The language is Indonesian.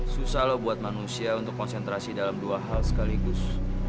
susah loh buat manusia untuk konsentrasi dalam dua hal sekaligus